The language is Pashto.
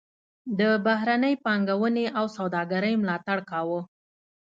د بهرنۍ پانګونې او سوداګرۍ ملاتړ کاوه.